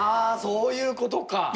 そういうことか。